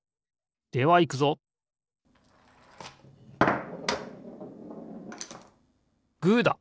ではいくぞグーだ！